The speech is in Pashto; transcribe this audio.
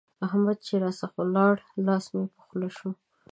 احمد چې راڅخه ولاړ؛ لاس مې په خوله شو.